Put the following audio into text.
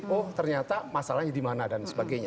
oh ternyata masalahnya dimana dan sebagainya